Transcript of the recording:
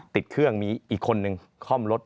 ติดเครื่องมีอีกคนนึงคล่อมรถ